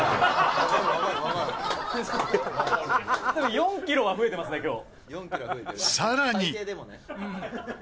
４キロは増えてますね、今日。